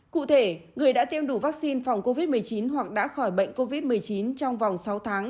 cụ thể người đã tiêm đủ vaccine phòng covid một mươi chín hoặc đã khỏi bệnh covid một mươi chín trong vòng sáu tháng